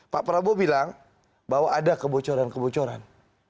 pak prabowo bilang bahwa ada kebocoran kebocoran